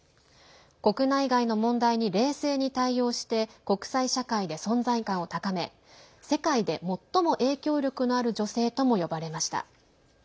国内外の問題に冷静に対応して国際社会で存在感を高め世界で最も影響力のある女性とも呼ばれました。